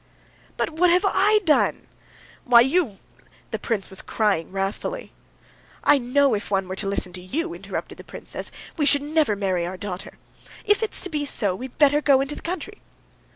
"But what have I done?" "Why, you've...." The prince was crying wrathfully. "I know if one were to listen to you," interrupted the princess, "we should never marry our daughter. If it's to be so, we'd better go into the country."